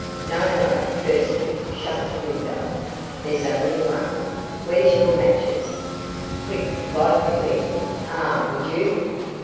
"No, no. Curse you. Shut the window. There's only one. Where's your matches? Quick, light the glim! Ah, would you?